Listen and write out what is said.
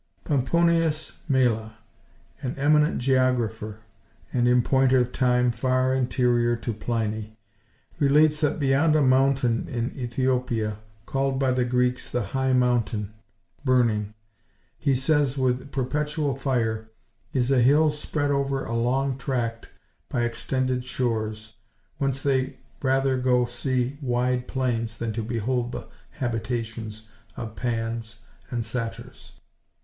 Pomponius Mela, an eminent geographer, and, in point of time, far anterior to Pliny, relates, that beyond a mountain in Æthiopia, called by the Greeks the "High Mountain," burning, he says, with perpetual fire, is a hill spread over a long tract by extended shores, whence they rather go to see wide plains than to behold [the habitations] of Pans and Satyrs.